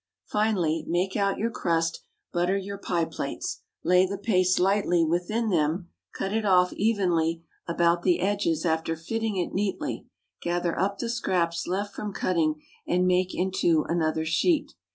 Finally, make out your crust; butter your pie plates, lay the paste lightly within them, cut it off evenly about the edges after fitting it neatly; gather up the scraps left from cutting, and make into another sheet.